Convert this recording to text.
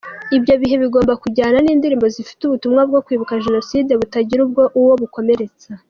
Ibyo bihe bigomba kujyana n’indirimbo zifite ubutumwa bwo kwibuka Jenoside, butagira uwo bukomeretsa.